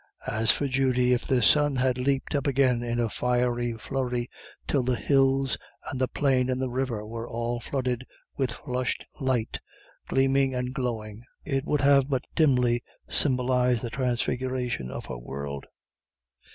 As for Judy, if the sun had leaped up again in a fiery flurry, till the hills and the plain and the river were all flooded with flushed light, gleaming and glowing, it would have but dimly symbolised the transfiguration of her world.